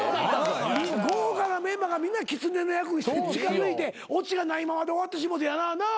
豪華なメンバーがみんなキツネの役して近づいてオチがないままで終わってしもてやななあ。